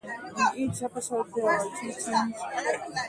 In each episode there are two teams.